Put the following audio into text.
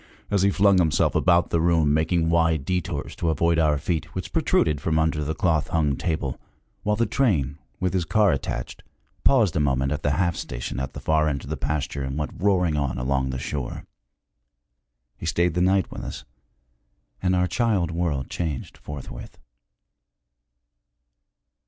as he flung himself about the room, making wide détours to avoid our feet, which protruded from under the cloth hung table, while the train, with his car attached, paused a moment at the 'half station' at the far end of the pasture and went roaring on along the shore. He stayed the night with us, and our child world changed forthwith.